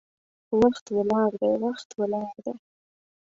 وخت ولاړ دی، وخت ولاړ دی